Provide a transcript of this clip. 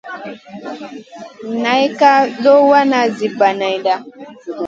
Nay ka duhw wana zi banada.